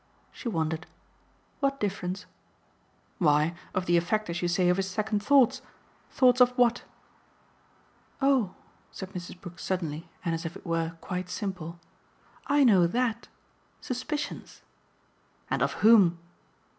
She wondered. "What difference?" "Why, of the effect, as you say, of his second thoughts. Thoughts of what?" "Oh," said Mrs. Brook suddenly and as if it were quite simple "I know THAT! Suspicions." "And of whom?"